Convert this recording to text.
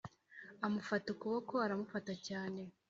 amufata ukuboko aramufata cyane